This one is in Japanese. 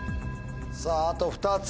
さぁあと２つ。